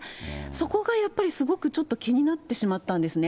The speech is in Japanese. そこがやっぱりすごくちょっと気になってしまったんですね。